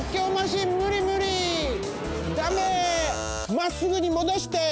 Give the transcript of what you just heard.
まっすぐにもどして！